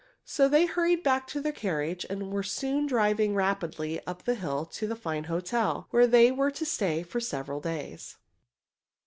So they hurried back to their carriage and were soon driving rapidly up the hill to a fine hotel, where they were to stay for several days.